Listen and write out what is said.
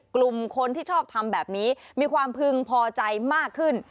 กลุ่มคนที่ชอบทำแบบนี้มีความพึงพอใจมากขึ้น